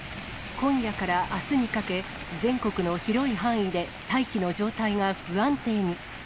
今夜からあすにかけ、全国の広い範囲で大気の状態が不安定に。